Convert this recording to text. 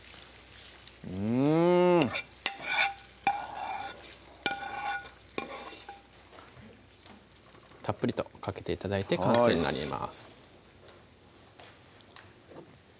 うんたっぷりとかけて頂いて完成になります